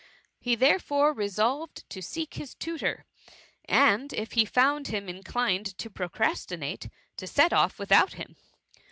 He therefore resolved to seek his tutor, and, if he found him inclined to procrastinate^ to set off without him.